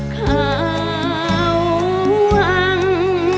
ข้าว่าง